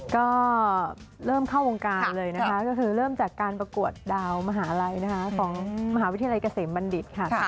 ก็เริ่มเข้าวงการเลยนะคะก็คือเริ่มจากการประกวดดาวมหาลัยนะคะของมหาวิทยาลัยเกษมบัณฑิตค่ะ